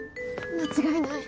間違いない。